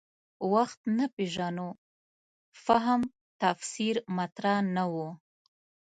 وخت نه پېژنو فهم تفسیر مطرح نه و.